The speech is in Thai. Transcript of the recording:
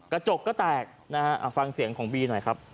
กระจกก็แตกนะฮะฟังเสียงของบีหน่อยครับ